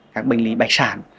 các bệnh lý bạch sản